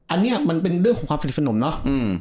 อันนี้มันเป็นเรื่องของความสนิทสนมเนอะ